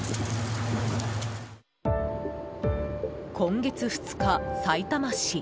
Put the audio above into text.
今月２日、さいたま市。